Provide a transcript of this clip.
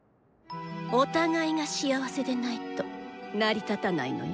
「お互い」が幸せでないと成り立たないのよ。